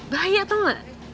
bahaya tau gak